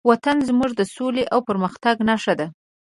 وطن زموږ د سولې او پرمختګ نښه ده.